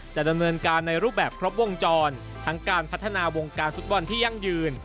จะดำเนินการในรูปแบบครบวงจรทั้งการพัฒนาวงการฟุตบอลที่ยั่งยืน